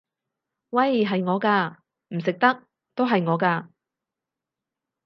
喂！係我㗎！唔食得都係我㗎！